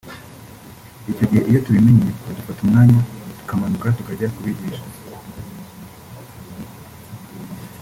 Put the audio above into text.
Icyo gihe iyo tubimenye bidufata umwanya tukamanuka tukajya kubigisha